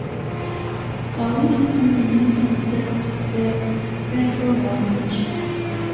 Kawi is commonly considered the pinnacle language.